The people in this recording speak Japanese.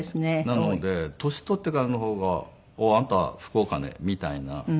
なので年取ってからの方がおおあんた福岡ねみたいな。